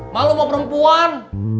malu sama perempuan